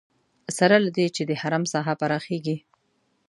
سره له دې چې د حرم ساحه پراخېږي.